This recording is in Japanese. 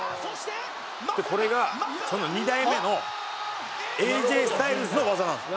「でこれがその２代目のＡＪスタイルズの技なんですよ」